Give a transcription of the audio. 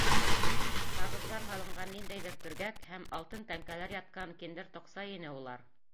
Ҡағыҙҙар һалынған ниндәйҙер төргәк һәм алтын тәңкәләр ятҡан киндер тоҡсай ине улар.